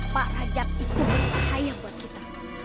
pak rajab itu berbahaya buat kita